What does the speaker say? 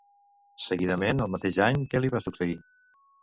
Seguidament, al mateix any, què li va succeir?